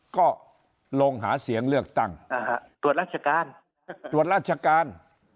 ก็ลงหาเสียงเลือกตั้งตรวจราชการตรวจราชการ